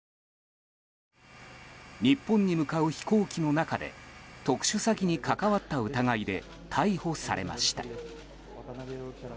日本に向かう飛行機の中で特殊詐欺に関わった疑いで逮捕されました。